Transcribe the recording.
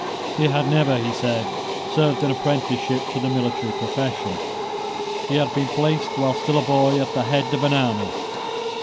He had never, he said, served an apprenticeship to the military profession. He had been placed, while still a boy, at the head of an army.